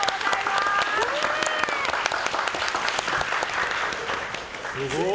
すごい！